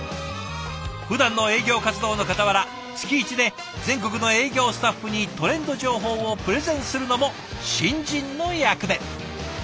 ふだんの営業活動のかたわら月１で全国の営業スタッフにトレンド情報をプレゼンするのも新人の役目。